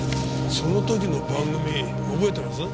その時の番組覚えてます？